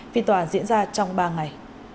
phiên tòa diễn ra trong ba ngày